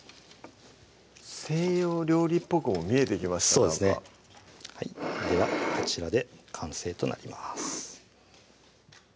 西洋料理っぽくも見えてきましたなんかではこちらで完成となります